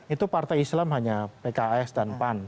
itu partai islam hanya pks dan pan